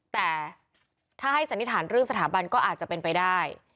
แต่ถ้าให้สันนิษฐานเรื่องสถาบันก็อาจจะเป็นไปได้